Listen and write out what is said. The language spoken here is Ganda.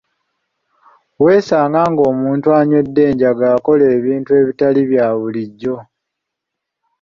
Weesanga nga omuntu anywedde enjaga akola ebintu ebitali bya bulijjo.